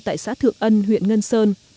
tại xã thượng ân huyện ngân sơn